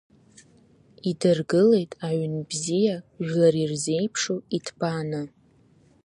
Идыргылеит аҩын бзиа, жәлары ирзеиԥшу иҭбааны.